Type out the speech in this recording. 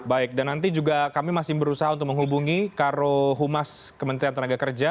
baik dan nanti juga kami masih berusaha untuk menghubungi karo humas kementerian tenaga kerja